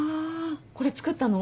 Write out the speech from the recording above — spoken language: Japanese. これ作ったの？